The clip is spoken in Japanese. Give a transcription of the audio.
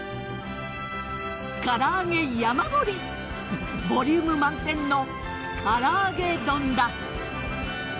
唐揚げ山盛りボリューム満点のからあげ丼だ。